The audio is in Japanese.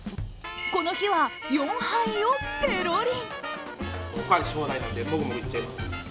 この日は４杯をペロリ。